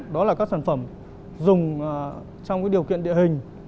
đó là các sản phẩm dùng trong điều kiện địa hình